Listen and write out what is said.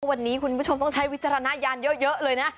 วันนี้คุณผู้ชมต้องใช้วิจารณญาณเยอะเลยนะ